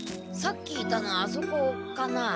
さっきいたのあそこかな？